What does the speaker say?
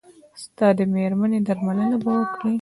ستا د مېرمنې درملنه به وکړي.